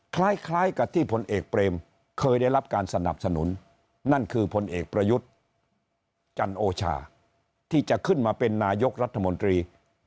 คล้ายกับที่พลเอกเปรมเคยได้รับการสนับสนุนนั่นคือพลเอกประยุทธ์จันโอชาที่จะขึ้นมาเป็นนายกรัฐมนตรี